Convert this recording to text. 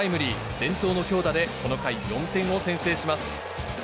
伝統の強打で、この回、４点を先制します。